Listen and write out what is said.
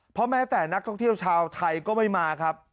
เพราะแม้แต่นักท่องเที่ยวชาวไทยก็ไม่มาครับ